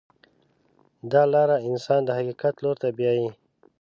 دا لاره انسان د حقیقت لور ته بیایي.